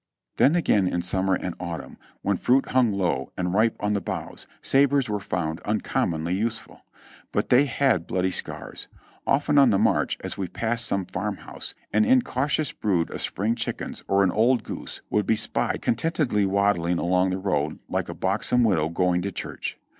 Then again in summer and autumn, when fruit hung low and ripe on the boughs, sabres were found uncommonly useful. But they had bloody scars. Often on the march, as we passed some farm house, an incautious brood of spring chickens or an old goose would be spied contentedly waddling along the road like a buxom widow going to church.